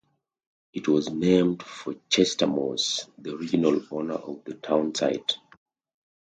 It was named for Chester Morse, the original owner of the town site.